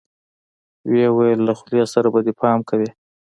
ويې ويل له خولې سره به دې پام کوې.